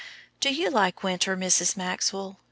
"Do you like winter, Mrs. Maxwell?"